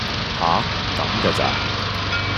吓！咁嫁咋!